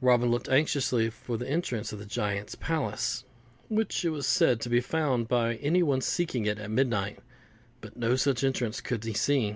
Robin looked anxiously for the entrance to the Giant's palace, which, it was said, may be found by any one seeking it at midnight; but no such entrance could he see.